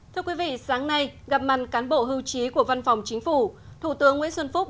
thưa quý vị sáng nay gặp mặt cán bộ hưu trí của văn phòng chính phủ thủ tướng nguyễn xuân phúc